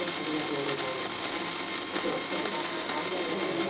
東京タワー到着です。